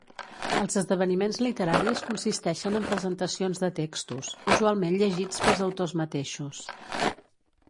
Els esdeveniments literaris consisteixen en presentacions de textos, usualment llegits pels autors mateixos.